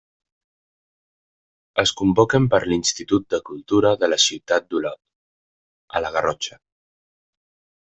Es convoquen per l'Institut de Cultura de la Ciutat d'Olot, a la Garrotxa.